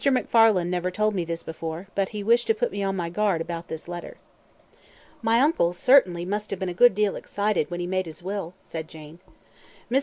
McFarlane never told me this before, but he wished to put me on my guard about this letter." "My uncle, certainly, must have been a good deal excited when he made his will," said Jane. "Mr.